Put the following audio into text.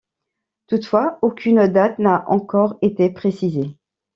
Toutefois aucune date n'a encore été précisée.